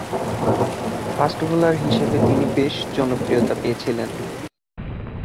Fast bowler হিসেবে তিনি বেশ জনপ্রিয়তা পেয়েছিলেন।